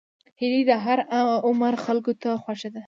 هیلۍ د هر عمر خلکو ته خوښه ده